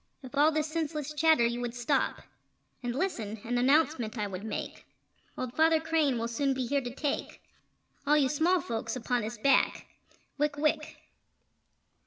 If all this senseless chatter you would stop, And listen, an announcement I would make: Old Father Crane will soon be here to take All you small folks upon his back Wick wick!